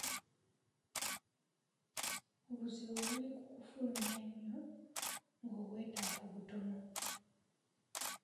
Obuzibu buli ku kufulumya nnyo ng'obwetaavu butono.